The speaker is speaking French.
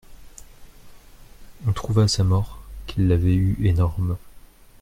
On trouva à sa mort qu'il l'avait eu énorme.